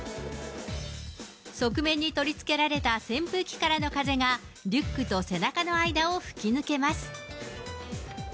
側面に取り付けられた扇風機からの風が、リュックと背中の間を吹き抜けます。